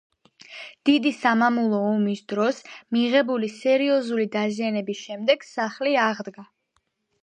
დიდი სამამულო ომის დროს მიღებული სერიოზული დაზიანების შემდეგ სახლი აღდგა.